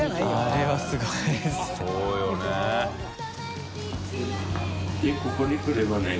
あれはすごいですね。